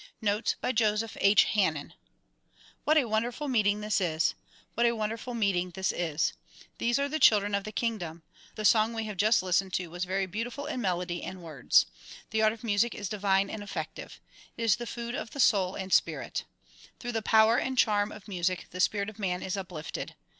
Notes by Joseph H. Hannen WHAT a wonderful meeting this is! What a wonderful meet ing this is! These are the children of the kingdom. The song we have just listened to was very beautiful in melody and words. The art of music is divine and effective. It is the food of the soul and spirit. Tlirough the power and charm of music the spirit of man is uplifted.